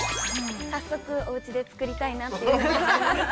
◆早速おうちで作りたいなというふうに思いました。